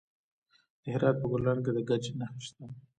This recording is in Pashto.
د هرات په ګلران کې د ګچ نښې شته.